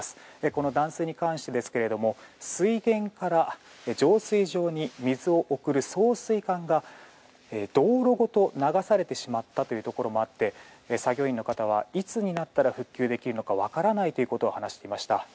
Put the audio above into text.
この断水に関してですが水源から浄水場に水を送る送水管が、道路ごと流されてしまったところもあって作業員の方はいつになったら復旧できるのか分からないということを話していました。